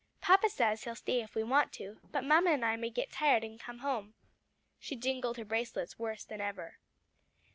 Papa says he'll stay if we want to; but mamma and I may get tired and come home." She jingled her bracelets worse than ever.